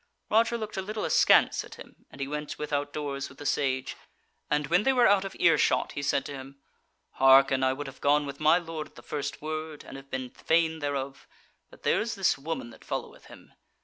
Roger looked a little askance at him, and he went without doors with the Sage, and when they were out of earshot, he said to him: "Hearken, I would have gone with my lord at the first word, and have been fain thereof; but there is this woman that followeth him.